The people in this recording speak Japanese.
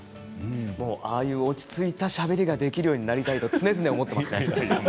ああいう落ち着いたしゃべりができるようになりたいと常々思っています。